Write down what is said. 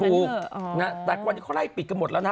ถูกแต่วันนี้เขาไล่ปิดกันหมดแล้วนะ